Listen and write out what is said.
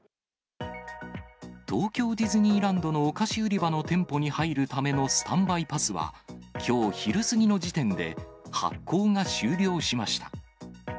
東京ディズニーランドのお菓子売り場の店舗に入るためのスタンバイパスは、きょう昼過ぎの時点で発行が終了しました。